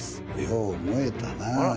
よう燃えたなあ。